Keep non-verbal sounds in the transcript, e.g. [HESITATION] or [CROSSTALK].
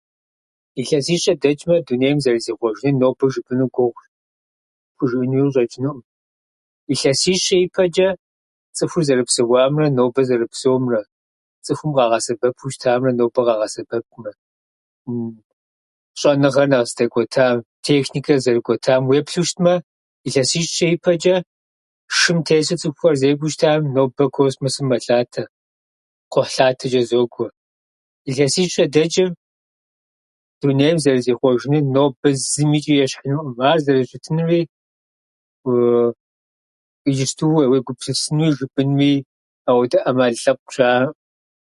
Илъэсищэ дэчӏмэ, дунейм зэрызихъуэжын нобэ жыпӏэну гугъу, пхужыӏэнууи къыщӏэчӏынуӏым. Илъэсищэ ипэчӏэ цӏыхур зэрыпсэуамрэ нобэ зэрыпсэумрэ, цӏыхум къагъэсэбэпу щытамрэ нобэ къагъэсэбэпымрэ, [HESITATION] щӏэныгъэр нэхъ здэкӏуэтам, техникэр зэрыкӏуэтам уеплъу щытмэ, илъэсищэ ипэчӏэ шым тесу цӏыхухьэр зекӏуэу щытам, нобэ космосым мэлъатэ, кхъухьлъатэчӏэ зокӏуэ. Илъэсищэ дэчӏым, дунейм зэрызихъуэжынум нобэ зымичӏи ещхьынуӏым. Ар зэрыщытынури [HESITATION] иджыпсту уе- уегупсысынууи жыпӏэнууи, ауэдэ ӏэмал лъэпкъ щаӏым.